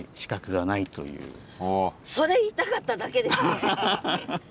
それ言いたかっただけですね。